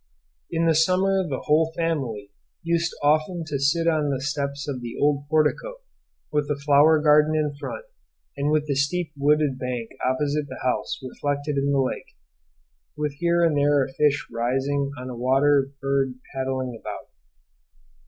In the summer the whole family used often to sit on the steps of the old portico, with the flower garden in front, and with the steep wooded bank opposite the house reflected in the lake, with here and there a fish rising or a water bird paddling about.